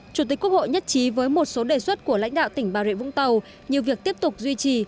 chủ tịch quốc hội nhất trí với một số đề xuất của lãnh đạo tỉnh bà rịa vũng tàu như việc tiếp tục duy trì